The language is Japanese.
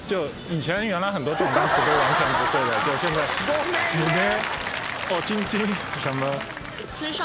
ごめんね。